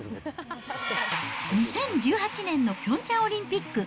２０１８年のピョンチャンオリンピック。